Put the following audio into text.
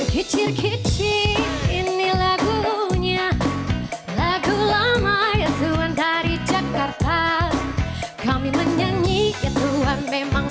kicir kicir ini lagunya lagu lama ya tuhan dari jakarta kami menyanyi ya tuhan memang